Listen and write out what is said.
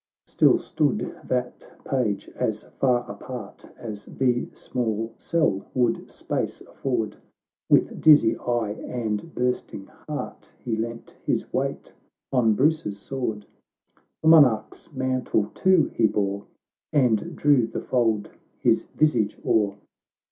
— XXVI Still stood that Page, as far apart As the small cell would space afford; "With dizzy eye and bursting heart, He leant his weight on Bruce's sword, The monarch's mantle too he bore, And drew the fold his visage o'er.